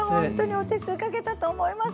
お手数かけたと思います。